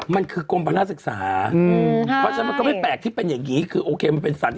มันคือกรมพนักศึกษาเพราะฉะนั้นมันก็ไม่แปลกที่เป็นอย่างนี้คือโอเคมันเป็นสาร